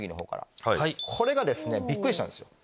これがですねびっくりしたんですよ。